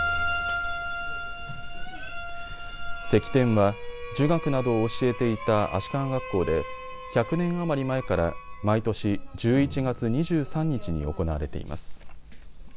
釋奠は儒学などを教えていた足利学校で１００年余り前から毎年１１月２３日に行われています。